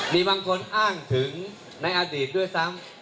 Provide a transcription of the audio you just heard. มีบางคนอ้างถึงในอดีตด้วยซ้ำ